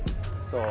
そう。